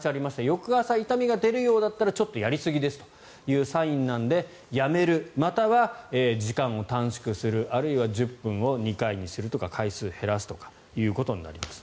翌朝痛みが出るようならちょっとやりすぎですというサインなのでやめるまたは時間を短縮するあるいは１０分を２回にするとか回数を減らすということになります。